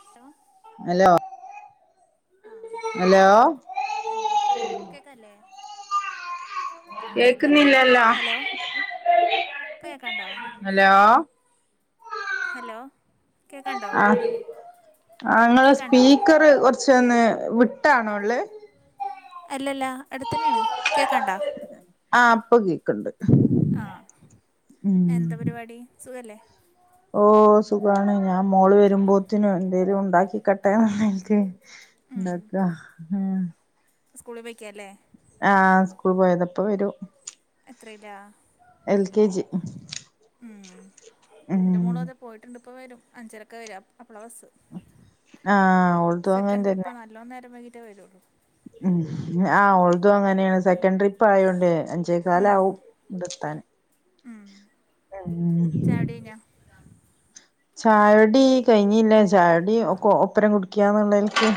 ട്ടോ ഹലോ ആഹ് ഹലോ എന്താ കേക്കാല്ലേ കേക്കല്ലേ കേക്കുന്നില്ലല്ലോ ഹലോ ഇപ്പ കേക്കാണ്ടോ ഹലോ ഹലോ കേക്കാണ്ടോ ആഹ് ആഹ് നിങ്ങളെ കേക്കാണ്ടോ സ്പീക്കറ് കുറച്ച് ഒന്ന് വിട്ടാണോ ഉള്ളേ അല്ലല്ല അടുത്തന്നെയാണ് കേക്കാണ്ടാ ആഹ് ഇപ്പ കേക്കണ്ട് ആ ഉം എന്താ പരിപാടി സുഖല്ലേ ഓഹ് സുഖാണ് ഞാൻ മോള് വരുമ്പോത്തിനും എന്തെേലും ഉണ്ടാക്കി ക്കട്ടെ വിചാരിച്ച് ഉം ഉണ്ടാക്ക സ്കൂളിൽ പോയക്കാ അല്ലേ ആഹ് സ്കൂളിൽ പോയതാ ഇപ്പ വരും എത്രയിലാ എൽ കെ ജി ഉം ഉം എന്റെ മോള് അത് പോയിട്ടുണ്ട് ഇപ്പോ വരും അഞ്ചരയ്ക്ക് വര അപ്പോള ബസ്സ് ആഹ് ഓൾതും അങ്ങനെ തന്നെ നല്ലോം നേരം വൈകിട്ടേ വരുള്ളൂ ഉം ആഹ് ഓൾതും അങ്ങനെയാണ് സെക്കൻഡ് ട്രിപ്പ് ആയൊണ്ട് അഞ്ചേക്കാല് ഉം ആവും ഇവിടെ എത്താൻ ഉം ചായുടി കഴിഞ്ഞോ ചായുടി കഴിഞ്ഞില്ല ചായുടി ഒപ്പരം കുടിക്കാന്നുള്ളലക്ക്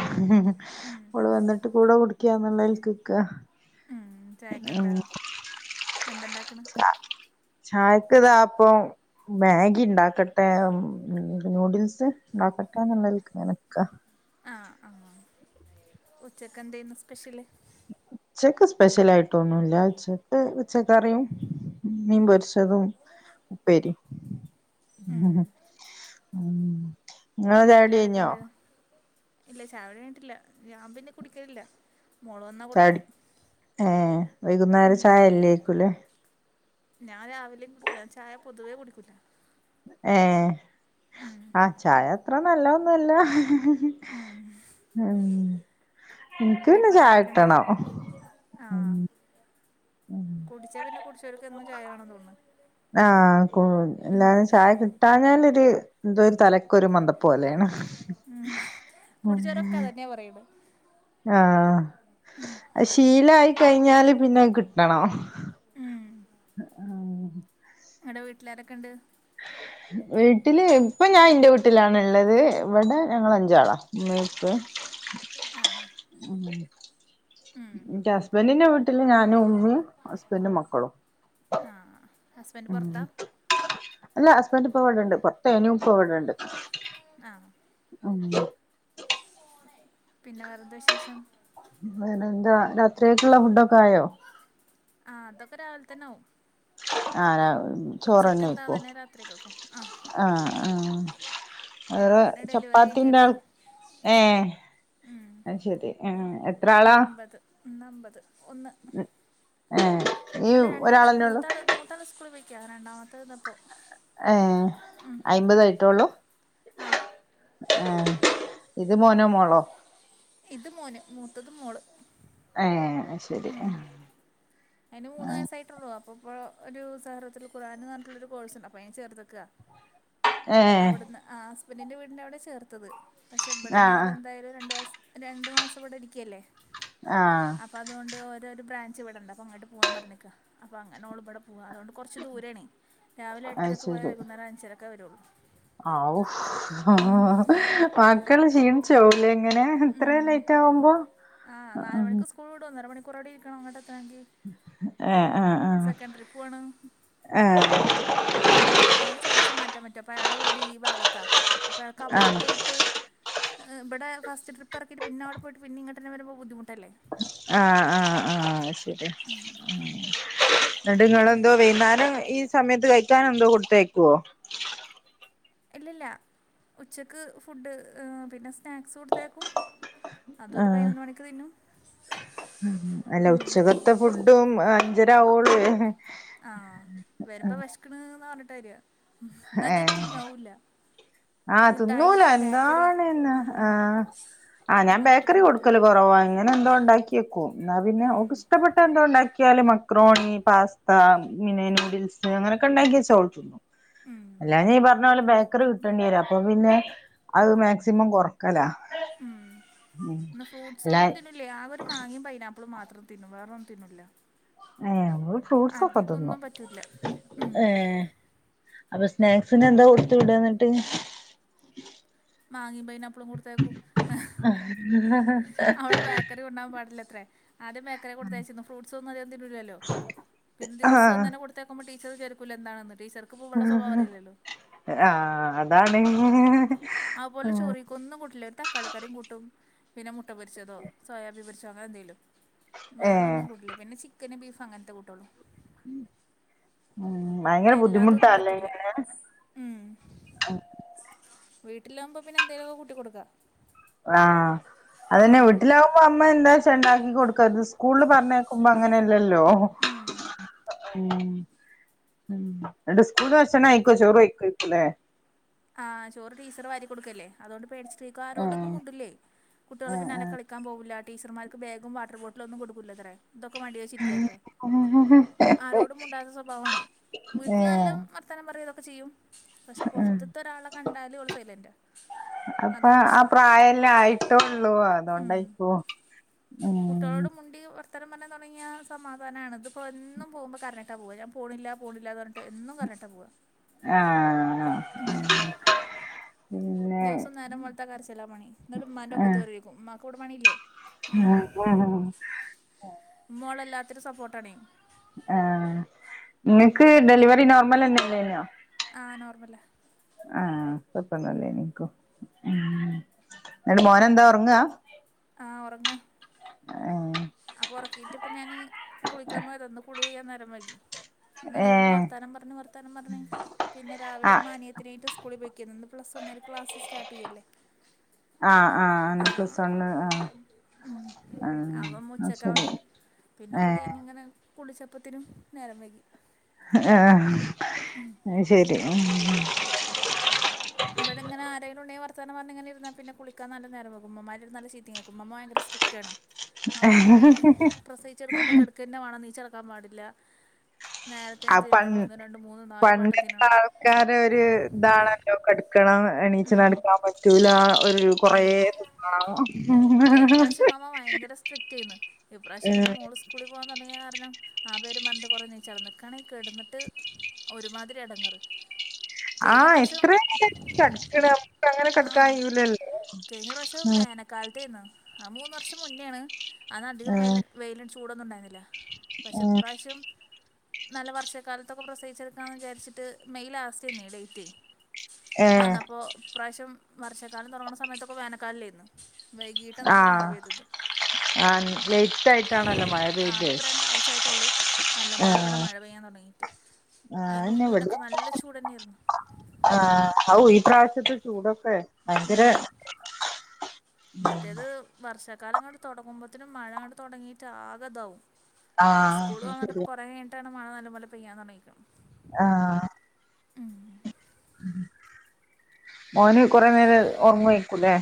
ഓള് വന്നിട്ട് കൂടെ കുടിക്കുകാന്നുള്ളതില് നിക്ക ഉം ചായക്ക് എന്താ എന്തണ്ടാക്ക്ണ് ചായക്ക്താ പ്പം മാഗി ഉണ്ടാക്കട്ടെ നൂഡിൽസ് ഉണ്ടാക്കട്ടെന്നുള്ളതിൽക്ക് നിക്ക ആഹ് ആഹ് ഉച്ചക്ക് എന്ത്യ്ന്നു സ്പെഷ്യല് ഉവ്വക്ക് സ്പെഷ്യൽ ആയിട്ടൊന്നുല്ല ഉച്ചക്ക് പച്ചക്കറിയും മീൻ പൊരിച്ചതും ഉപ്പേരിയും ഉം ഉം നിങ്ങളെ ചായുടി വീട്ടിലാരൊക്കെ കഴിഞ്ഞോ ഉണ്ട് ഇല്ല ചായുടി കഞ്ഞിട്ടില്ല ഞാൻ പിന്നെ കുടിക്കലില്ല മോള് വന്നാ ചായുടി കൊടുക്കണം ഏഹ് വൈകുന്നേര ഉം ചായല്ലേക്കുംല്ലേ ഞാൻ രാവിലെയും കുടിക്കുല്ല ചായ പൊതുവേ കുടിക്കൂല്ല ഏഹ് ആഹ് ചായ അത്ര നല്ല ഒന്നുല്ല ഉം ഉം ഇൻക്ക് പിന്നെ ചായ വീട്ട്ലാരൊക്കെണ്ട്? കിട്ടണം ഉം ആഹ്. ഉം കുടിച്ചാ പിന്നെ കുടിച്ചവർക്ക് എന്നും ചായ വേണം തോന്നും. ആഹ് ക്കു എന്നാലും ചായ കിട്ടാഞ്ഞാലൊര് എന്തോരു തല ക്കൊരു മന്തപ്പ് പോലെയാണ്. ഉം ന്ന് പറയുമ്പഴ് ആഹ് അത് ശീലായി കഴിഞ്ഞാല് പിന്നെ അഹ് കിട്ടണം. ഉം. ആഹ് ഇങ്ങടെ വീട്ട്ലാരെക്കെണ്ട്? വീട്ടില് ഇപ്പ ഞാ ഇന്റെ വീട്ടിലാണ് ഇള്ളത്. ഇവിടെ ഞങ്ങളഞ്ചാള ഇമ്മീഇപ്പീ ആഹ് ഉം ഉം ഇന്റെ ഹസ്ബൻഡിന്റെ വീട്ടില് ഞാനും ഉമ്മിം ഹസ്ബൻഡും മക്കളും. ആഹ് ഹസ്ബൻഡ് ഉം പൊറത്താ അല്ല ഹസ്ബൻഡ്പ്പോ ഇവടണ്ട്. പൊർത്തേനു ഇപ്പൊ ഇവടെണ്ട്. ആഹ്. ഉം. പിന്നെ വേറെന്താ വിശേഷം? വേറെന്താ രാത്രിയേക്ക്‌ള്ള ഫുഡൊക്കായോ? ആഹ് അതൊക്കെ രാവിൽതന്നാവും. ആഹ് രാവ് എന്താ ചോറന്നേക്കും? തന്നെ രാത്രികൾക്കും ആ ആഹ് ആഹ്. ഞാൻ വേറെ പിന്നെ ഡെലിവറി കഴിഞ്ഞ് ചപ്പാത്തിന്റെ ആൾ കിടക്കുക ഏഹ് അത്ശരി ഏഹ് എത്. അമ്പത് ഇന്നമ്പത് ഒന്ന് ഏഹ് ഈ അല്ല രണ്ടാള് ഒരാളന്നെ ഉള്ളു മൂത്താള് മൂത്താള് സ്കൂളിപെയ്ക്കാ. രണ്ടാമത്തേഹ്ത ഇപ്പം. ഏഹ് അയിമ്പതായിട്ടൊള്ളൂ? ആഹ്. ഏഹേ ഇത് മോനോ മോളോ? ഇത് മോന് മൂത്തത് മോള്. ഏഹ് അഹ്ശരി. അയ്ന് മൂന്ന് വയസ്സായിട്ടൊള്ളു. അപ്പോ ഇപ്പോ ഒരു സഹ്റത്തുൽ ഖുർആന് ന്നർഞ്ട്ടുള്ളൊരു കോഴ്സ്ണ്ട് അപ്പൊ അയിന് ചേർത്ത്ക്ക. ആഹ് അവിട്ന്ന് ആ ഹസ്ബൻഡിന്റെ വീടിന്റെ അവിടെ ചേർത്തത്. പക്ഷെ ഇവ്ട്ന്ന് ആഹ് അവരെന്തായാലും രണ്ടുമാസ രണ്ട് മാസം ഇവിടെ ഇരിക്കല്ലേ? ആഹ് അപ്പ അത് കൊണ്ട് ഓരൊരു ബ്രാഞ്ച് ഇവടണ്ട്. അപ്പൊ അങ്ങട്ട് പോവാൻ പർഞ്ഞക്ക. അപ്പൊ അങ്ങാനോള് ഇബെടെ പോവാ അതോണ്ട് കൊർച്ച് ദൂരെണേ. രാവിലെ അത് എട്ടരയ്ക്ക് പോയാ വൈകുന്നേരം അഞ്ചരക്ക വരൊള്ളൂ. ആഔ മക്കള് ക്ഷീണിച്ചോവൂലെ ഇങ്ങനെ? ഇത്രേം ഉം ലേറ്റ് ആകുമ്പോ? അഹ് സ്‌കൂള് വിടും. ഒന്നര മണിക്കൂറവ്ടെ ഇരിക്കണം ഇങ്ങട്ടത്തെണങ്കി. എ എഹ് ആഹ്. ഏഹ്. അപ്പൊ ഞാൻ വണ്ടിക്കാര്നോട് ചോയ്ച്ച് മാറ്റാൻ പറ്റോ. അപ്പയാളെ വീട് ഈ ഭാഗത്താ. അപ്പൊ അയാൾക്ക് അവടെ ആഹ് പോയിട്ട് ഏഹ് ഇബടെ ഫസ്റ്റ് ട്രിപ്പെറക്കീട്ട് പിന്നവിടെ പോയീട്ട് പിന്നീ ഇങ്ങട്ടന്നെ വരുമ്പോ ബുദ്ധിമുട്ടല്ലെ? ആഹ് ആഹ് ആഹ് അത് ശെര്യ. ഇന്നട്ട് ഇങ്ങളെന്തോ വൈന്നാരം ഈ സമയത്ത് കഴിക്കാൻ എന്തോ കൊടുത്തയ്ക്കോ? ഇല്ലല്ല. ഉച്ചക്ക് ഫുഡ് ഏഹ് പിന്നെ സ്നാക്സ് കൊടുത്തയക്കും. അതൊരു ആഹ് പയിനൊന്ന്മണിക്ക് തിന്നും. അല്ല ഉച്ചക്കത്തെ ഫുഡും അഞ്ചരാവോള് [unintelligible] ആഹ് വരുമ്പോ വെഷ്ക്ക്ണ്ന്നർഞ്ഞിട്ട വരാ. ഇന്നന്തോലും ഏഹ് തിന്നോ അതുല്ല. ആഹ് തിന്നൂല എന്താണ് ന്നെ ഉം ആഹ് ആഹ് ഞാൻ അങ്ങനത്തൊക്കെ ബേക്കറി തന്നെ പറ്റും കൊട്ക്കല് കൊറവാണ്. ഇങ്ങനെ എന്തോ ഇണ്ടാക്കിയേക്കും എന്നാ പിന്നെ ഉം ഓക്ക്ഇഷ്ടപ്പെട്ട എന്തോ ഇണ്ടാക്കിയാല് മക്രോണി, പാസ് പി ന്നെ നൂഡിൽസ് അങ്ങനൊക്കെ ഉണ്ടാക്കി വെച്ചാ ഓൾ തിന്നു അല്ലാഞ്ഞ ഈ പറഞ്ഞ പോലെ ബേക്കറി കി. ട്ടണിരാ അപ്പൊ പിന്നെ അത് മാക്സിമം കൊറക്കല. എന്നാ ഫ്രൂട്ട്സ് അല്ല ഒന്നും തിന്നൂില്ല ആ ഒരു മാങ്ങിയയും പൈനാപ്പിളും മാത്രം തിന്നും വേറെ ഒന്നും തിന്നൂല്ല. ഏ നമ്മള് ഫ്രൂട്ട്സൊക്കെ തിന്നു. പറ്റൂല്ല ഉം ഏ അപ്പൊ സ്നാക്സിന് എന്താ കൊടുത്ത വിടന്നിട്ട്. മാങ്ങിയും പയിന അപ്പളും കൊടുത്തേക്കും. [unintelligible] അവിടെ ബേക്കറി കൊണ്ടാൻ പാടില്ല എത്രേ. ആദ്യം ബേക്കറെ കൊടുത്തയച്ചിരുന്നു ഫ്രൂട്ടസ് ഒന്നും അതികം തിന്നുല്ലലോ പിന്നെ ദിവവും ആഹ് ഒന്നന്നേ കൊടു. തെക്കുമ്പോ ടീച്ചർ വിചാരിക്കുല്ലേ എന്താണന്ന് ടീച്ചർ. ആ അതാണ്. ആപലെ ചോറി. ഒന്നും കൂട്ടില്ല ഒരു തക്കാളി കറിയും കൂട്ടും പിന്നെ മുട്ട പൊരിച്ചതോ സോയാബി പൊരിച്ചോ അങ്ങനെ എന്തേലും. വേറെ ഏഹ് ഒന്നും കൂട്ടില്ല പിന്നെ ചിക്കന ബീഫും അങ്ങനത്തെ കൂട്ടുള്ളൂ. ഉ ഭയങ്കര എല്ലാതൊന്നും ബുദ്ധിമുട്ടാല്ലേ പറ്റില്ല ന്. ഉം വീട്ടിൽ വകുമ്പോ പിന്നെ എന്തേലുമക്കെ കൂട്ടി കൊടുക്കാ. ആഹ അതന്നെ വീട്ടിലാകുമ്പോ അമ്മ എന്താ ച ഉണ്ടാക്കി കൊടുക്ക ഇത് സ്കൂളിൽ പറഞ്ഞേക്കുമ്പോ. അങ്ങനെയല്ലല്ലോ. ഉം ഉം ഉം എന്നിട്ട് സ്കൂളന് ഭക്ഷണ കയിക്കോ ചോറ കയ്ക്കോക്കലെ. ആഹ ചോറ് ടീച്ചറ് വാരി കൊടുക്കല്ലേ അതുകൊണ്ട് പേടിച്ചട്ടീക്കും ആരോടൊന്നും ആഹ് മൂണ്ടല്ലേ. കുട്ടികൾ ആഹ് പിന്നെ അന ആഹ് കളിക്കാൻ പോവില്ല ടീച്ചർമാർക്ക് ബാഗും വാട്ടറ് ബോട്ടില ഒന്നും കൊടുക്കില്ലത്രേ. ഇതൊക്കെ മടി വെച്ചിരിക്കാത്രേ ആരോടും മൂണ്ടാത്ത സ്വഭാവണ വീട്ടിൽ നല്ല. ഏഹ് വർത്തനം പറതൊക്കെ ചെയ്യും പക്ഷെ ഉം പുറത്തത്ത ഒരാളെ കണ്ടാല് ഓള് സൈലൻറ് ആ. അപ്പൊ ആ പ്രായെല്ലേ ആയിട്ടേള്ളൂ അതൊണ്ടായിക്കു. ഉം. കുട്ടളോട് മുണ്ടി വർത്തനം പറാൻ തുടങ്ങിയ സമാധാനാണ് ഇത്‌പ്പോൾ എന്നും പോക്പോൾ കറനിയിട്ട പോകുക ഞാൻ പോണില്ല പോണില്ല എന്ന് പറഞ്ഞ. കേട്ട് എന്നും കറഞ്ഞിട്ട് പോവാ. ആഹ. മ് പിന്നെ ദിവസം നേരം വെളുത്ത ആ കരചില്ലാ പണി എന്നട്ട്മാന്റെ ഒക്കത്റിരിക്കും മാക്കവിടെ പണില്ലേ. മം മം മോളെല്ലാത്തിരും സപ്പോർട്ടാണ. ആ നിങ്ങൾക്ക് ഡെലിവറി നോർമൽ എന്നെല്ലനോ. ആ നോർമല. ആഹ കൊയപ്പം ഒന്നുലെനിയേക്കും മം എന്നിട് മോൻ എന്താ ഉറങ്ങാ. ആഹ ഉറങ്ങാ. ഏഹ് അപ്പൊ ഉറക്കിയിട്ട് ഇപ്പ ഞാന് കുളിക്കാൻ പോയത ഇന്ന് കുളിക്കാൻ നേരം വൈകി. ഏ ഇങ്ങനെയായിരുന്നു വർത്താനം പറഞ്ഞഞ് വർത്താനം പറഞ്ഞു പിന്നെ ആ രാവിലെ മാനിയ. ത്തിനെയിട്ട് സ്കൂള പോയിക്കെനി പ്ലസ് വണ്ണർക്ക് ക്ലസ് സ്റ്റാർട്ട് ചെയ്യല്ലേ. ആഹ് ആഹ് ഇന്ന് പ്ലസ് വൺ ആഹ. അവമ്മുച്ചക്കാ വന്ന്. ഏ പിന്നൊക്കെ കഴിഞ്ഞ് ഇങ്ങനെ കുളിച്ചപ്പത്തിനും നേരം വൈകി. ആഹ് അത് ശരി. ഉം ഇവടെ ഇങ്ങനെ ആരേലും ഉണ്ടെങ്കി വർത്താനം പറഞ്ഞ്ങ്ങനെ ഇരുന്നാ പിന്നെ കുളിക്കാൻ നല്ല നേരമാകും. ഉമ്മുമ്മാന്റെ നല്ല ചീത്തിം കേക്കും. ഉമ്മുമ്മ ഭയങ്കര സ്ട്രി ക്റ്റാണ്. ഉമ്മാമ്മാക്കാണെങ്കി പ്രസവിച്ചെടുക്കുമ്പോ കെടക്ക് ന്നെ വേണം നീച്ചടക്കാൻ പാടില്ല. നേരത്തെ ആ തിന്നണം. ഒന്ന് രണ്ട് മൂന്ന് നാലും വട്ടം തിന്നണം. ആക്കാര ഒരു ഇതാണല്ലോ കെടുക്കണം എണീച്ച് ഉം നടക്കാൻ പറ്റൂല. ഒ രു കൊറേയെ [unintelligible] കഴ്ഞ്ഞ പ്രാവശ്യം ഉമാമ്മ ഭയങ്കര സ്ട്രിക്റ്റ് ആയിന്ന്. ഇപ്രാവശ്യം പിന്നേ ഉം മോള് സ് സ്കൂളി പോകാൻ തെടങ്ങിയാ ക്കൂളി തൊടങ്ങ്യേ കാരണം ആ പേരും പറഞ്ഞ്ട്ട് കൊറേ നീച്ചടന്ന്. ഇക്കാണെങ്കി കെടന്നിട്ട് ഒരുമാതിരി എടങ്ങറ് ആഹ്. എത്രേന്ന് [unintelligible] ട്ടാ കട്ക്ക്ണ്. നമ്മുക്ക് അങ്ങനെ കട്ക്കാൻ കയ്യൂലല്ലോ. കയ്ഞ്ഞ പ്രാവശ്യം മേ കാലത്തെന്നു അത് മൂന്ന് വർഷം മുന്നേണ്. അന്ന് അധികം ഉം വെയ്ല് വെയിലിന് ചൂടൊന്നും ഉണ്ടായിരുന്നില്ല. പക്ഷേ ഉം ഇപ്പാശ്യം നല്ല വർഷക്കാലത്തൊക്കെ പ്രസവിച്ചടുക്കാന്ന് വിചാരിച്ചിട്ട് മെയ് ലാസ്റ്റേയ്ന്നേ ഡേയ്റ്റേ ഏ വന്നപ്പോ ഇപ്രാവശ്യം വർഷക്കാലം തൊടങ്ങണ സമയത്തൊക്കെ വേനക്കാലല്ലേയ്ന്ന്. വൈകീട്ടാ നല്ല ആ മഴ പെയ്തത് ആ ലേറ്റ് ആയിട്ടാണല്ലോ മഴ ആഹ് പെയ്തെ പ്പ രണ്ടാഴ്ച ആയിട്ടൊള്ളൂ. ആ നല്ലോംപോലെ ഇവടെ മഴ പെയ്യാൻ തൊടങ്ങി ആ അയന്റെ മുന്നൊക്കെ നല്ല ചൂടന്നെയ്ര്ന്നു. ആഹ് ഔ ഈ പ്രാവശ്യത്തെ ചൂടൊക്കെ ഭയങ്കര ഉം മറ്റേത് വർഷ കാലങ്ങട്ട് തൊടങ്ങുമ്പത്തിനും മഴങ്ങട് തൊടങ്ങിട്ട് ആകെതാവും ആ സ്കൂള് തൊറന്ന്ട്ട്പ്പോ ശരിയാ കൊറെ കയ്ഞ്ഞിട്ടാണ് മഴ നല്ലപോല പെയ്യാൻ തൊടങ്ങീക്ക്ണ്. ആഹ് മോന് കൊറെ നേരം ഒർങ്ങയ്ക്കുല്ലേ?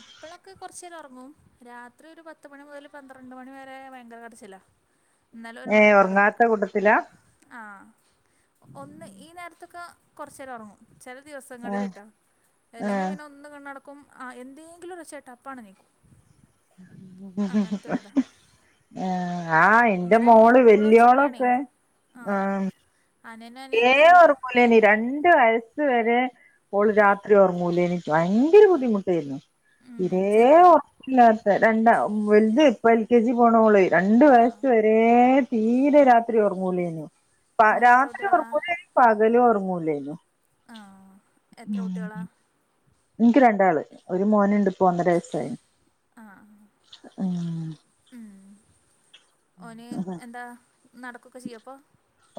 ഇപ്പളൊക്കെ കൊറച്ചേരം ഒറങ്ങും. രാത്രി ഒരു പത്ത് മണി മുതല് പന്ത്രണ്ട് മണി വരെ ഭയങ്കര കരച്ചിലാ ഇന്നലെ ഒരു ഏ മണിക്ക് ഉറങ്ങാത്ത ഒറങ്ങീക്ക്ണ് കൂട്ടത്തിലാ ആഹ്. ഒന്ന് ഈ നേരത്തൊക്കെ കൊറച്ചേരം ഒറങ്ങും ചെല ആ ദിവസങ്ങളില് ട്ടോ ആ അല്ലെങ്കി പിന്നെ ഒന്ന് കണ്ണടക്കും ആഹ് എന്തേങ്കിലും ഒരൊച്ച കേട്ടാ അപ്പാണ്ടെണീക്കും ആഹ് ആഹ് ഇന്റെ ഇവിടെ ആണെങ്കിൽ മോള് എപ്പോഴും ഒച്ചമൂളിയാണേ വല്യോളൊക്കെ. ആഹ് അന്യേനും അന്യേത്തിം ഒർങ്ങൂലേനി. രണ്ട് വയസ്സ് വരെ ഓള് രാത്രി ഒർങ്ങൂലേനി. ഭയങ്കര ബുദ്ധിമുട്ടായിരുന്നു. ഉം, ഇതേ ചെറുതോ പോ ഇല്ലാത്ത രണ്ടാ വലുത് ഇപ്പ എൽ കെ ജി പോണോള്. രണ്ട് ആ വയസ് വരെ ഏഹ് തീരെ രാത്രി ഒറങ്ങൂലേനു. പ നിങ്ങൾക്ക് എത്ര രാത്രിം കുട്ടികളാ ഒറങ്ങൂല പകലും ഒർങ്ങൂലേയ്ന്നു ആഹ് എത്ര കുട്ട്യേളാ? ഇൻക്ക് രണ്ടാള്. ഒരു മോനുണ്ട്പ്പോ ഒന്നര വയസായ്ണ്. ഉം ഉം. ഓന് എന്താ? നടക്കൊക്കെ ചെയ്യോ പ്പോ?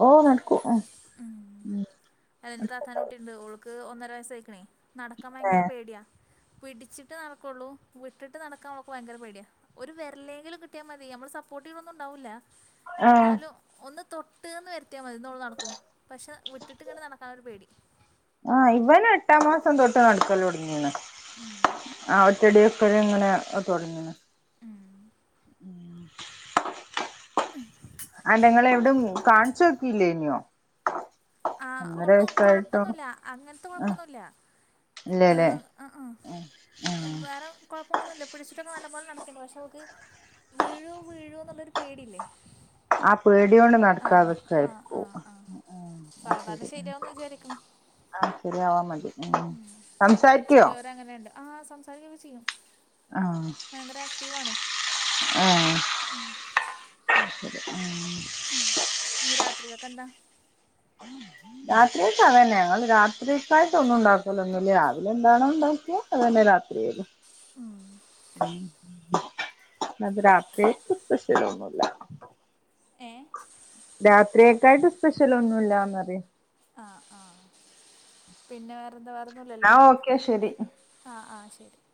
ഓ നടക്കും. ഉം ഉം. എ ഇന്റെ താത്താന്റെ കുട്ടിണ്ട്. ഓൾക്ക് ഒന്നര വയസ്സായിക്കണേ. നടക്കാൻ ഭയങ്കര ആഹ് പേട്യാ. പിടിച്ചിട്ട് നടക്കൊള്ളൂ. വിട്ടിട്ട് നടക്കാൻ ഓൾക്ക് ഭയങ്കര പേട്യാ. ഒരു വെരലേങ്കിലും കിട്ട്യാ മതി. നമ്മൾ സപ്പോർട്ട് ചെയ്ണൊന്നും ഉണ്ടാവൂല്ല. ന്നാലും ഒന്ന് തൊട്ട്ന്ന് വരുത്തിയാ മതി ഇന്ന ഓള് നടക്കും പക്ഷെ വിട്ടിട്ട് ഇങ്ങെട്ട് നടക്കാാനൊരു പേടി ആഹ് ഇവന് എട്ടാം മാസം തൊട്ട് നടക്കലൊടങ്ങീണ് ആഹ് റ്റടി വെക്കലങ്ങനെ തൊടങ്ങീണ് ഉം അല്ല ങ്ങള് എവടെം കാണച്ചോക്യോ ഇല്ലെയ്നൊ ആഹ് ഓൾക്ക് കൊഴപ്പൊന്നുല്ല അങ്ങനത്തെ ആഹ് കൊഴപ്പൊന്നുല്ല ഇല്ലല്ലേ ആഹ് അഹ് ആഹ് വേറെ കൊഴപ്പൊന്നുല്ല പിടിച്ചിട്ടൊക്കെ നല്ലപോലെ നടക്കണ്ട് പക്ഷേ ഓക്ക് വീഴും വീഴും ള്ളൊരു പേടില്ലേ ആ പേടിയോണ്ട് ആഹ് നടക്കാതെക്കായിരിക്കും ആഹ് ആഹ് സാവധാനം ശരിയാവുന്ന് വിചാരിക്കണ് ആഹ് ശരി ആവാ മതി ഉം സംസാരിക്കോ ചെലോര് അങ്ങനെണ്ട് ആഹ് സംസാരിക്കൊക്കെ ചെയ്യും ഭയങ്കര ആക്റ്റീവണ് ഉം ഉം ഇഞ്ഞു രാത്രിക്കക്ക് ന്താ? രാത്രിക്ക് അവന്നെ ഞങ്ങൾ രാത്രിക്കായിട്ട ഒന്നും ഉണ്ടാക്കലോ ഒന്നുമില്ല രാവിലെ എന്താണോ ഉണ്ടാക്കിയ- അതന്നെ രാത്രിയേലും. ഉം ഉം അത് രാത്ര്യ യാക്ക സ്പെഷ്യല ഒന്നുല്ല ഏഹ് രാത്രിയക്കായിട്ട് സ്പെഷ്യൽ ഒന്നുല്ലന്ന്റിയ. ആഹ് ആഹ് പിന്നെ വേറെന്താ വേറെന്നുംല്ലല്ലോ? എന്നാ ഓക്കെ ശരി ആഹ് ആഹ് ശരി